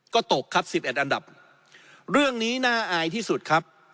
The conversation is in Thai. ก็ตกครับสิบเอ็ดอันดับเรื่องนี้น่าอายที่สุดครับ